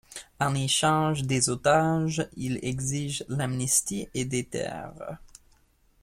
En échange des otages, il exige l'amnistie et des terres.